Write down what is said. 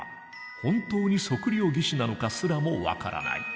本当に測量技師なのかすらも分からない。